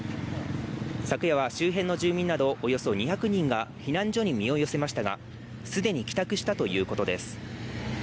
昨夜は周辺の住民などおよそ２００人が避難所に身を寄せましたが、既に帰宅したということです